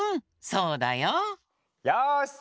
そうだよ。よし！